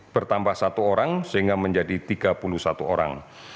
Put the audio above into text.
bertambah satu orang sehingga menjadi tiga puluh satu orang